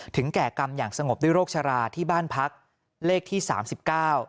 แก่กรรมอย่างสงบด้วยโรคชราที่บ้านพักเลขที่สามสิบเก้า